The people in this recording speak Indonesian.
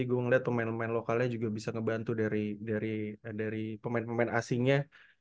gue ngeliat pemain pemain lokalnya juga bisa ngebantu dari pemain pemain asingnya